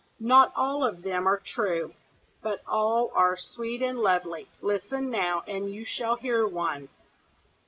Not all of them are true, but all are sweet and lovely; listen now, and you shall hear one.